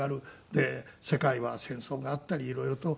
で世界は戦争があったり色々と物騒な時代。